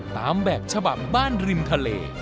ตามแบบฉบับบ้านริมทะเล